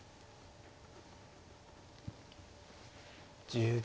１０秒。